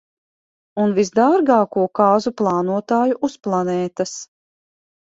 Un visdārgāko kāzu plānotāju uz planētas.